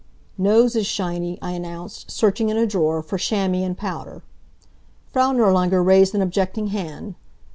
"Nose is shiny," I announced, searching in a drawer for chamois and powder. Frau Nirlanger raised an objecting hand.